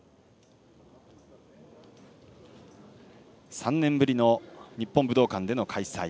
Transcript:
３年ぶりの日本武道館での開催。